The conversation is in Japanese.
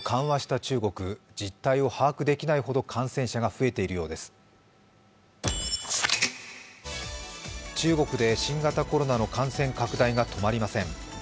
中国で新型コロナの感染拡大が止まりません。